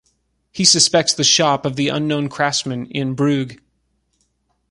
He suspects the shop of the unknown craftsmen in Brügge.